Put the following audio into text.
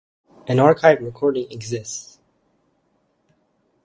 An archived recording exists.